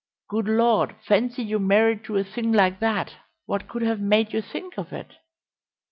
Good Lord, fancy you married to a thing like that! What could have made you think of it?"